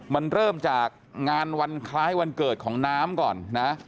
มันเริ่มจากงานวันคล้ายวันเกิดของน้ำก่อนนะ